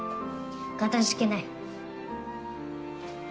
かたじけない。